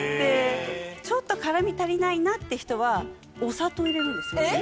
ちょっと辛み足りないなって人はお砂糖入れるんですよ。